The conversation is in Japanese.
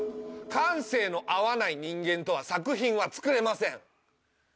感性の合わない人間とは作品は作れません。